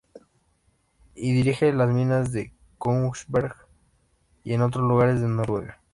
Y dirige las minas de Kongsberg y en otros lugares de Noruega.